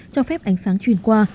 cho phép ánh sáng truyền qua